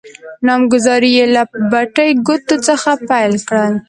نامګذارې يې له بټې ګوتې څخه پیل کړل.